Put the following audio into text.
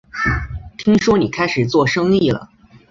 听说你开始做生意了